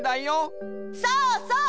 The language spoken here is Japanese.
そうそう！